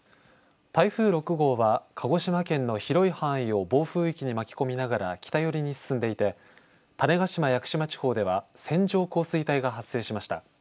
台風６号は鹿児島県の広い範囲を暴風域に巻き込みながら北寄りに進んでいて種子島・屋久島地方では線状降水帯が発生しました。